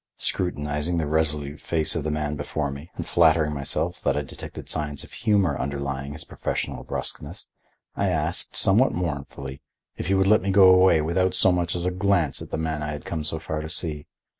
Scrutinizing the resolute face of the man before me and flattering myself that I detected signs of humor underlying his professional bruskness, I asked, somewhat mournfully, if he would let me go away without so much as a glance at the man I had come so far to see.